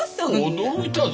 驚いたぞ。